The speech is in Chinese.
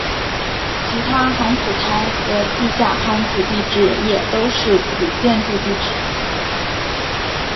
其他夯土台和地下夯土基址也都是古建筑基址。